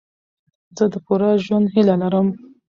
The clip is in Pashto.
زه د پوره ژوند هیله لرم.